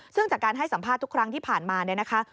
ซึ่งจากการให้สัมภาษณ์ทุกครั้งที่ผ่านมาเนี่ยนะคะ